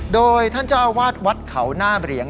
โดยท่านเจ้าวาดวัดเขาหน้าเรียง